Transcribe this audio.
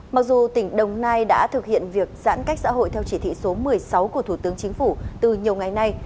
mặc dù tỉnh đồng nai đã thực hiện việc giãn cách xã hội theo chỉ thị số một mươi sáu của thủ tướng chính phủ từ nhiều ngày nay